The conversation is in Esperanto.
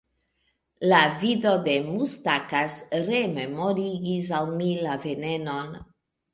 La vido de Mustakas rememorigis al mi la venenon.